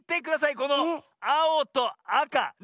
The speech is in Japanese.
このあおとあか。ね。